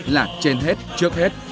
là trên hết trước hết